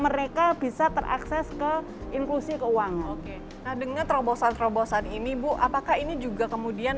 mereka bisa terakses ke inklusi keuangan oke nah dengan terobosan terobosan ini bu apakah ini juga kemudian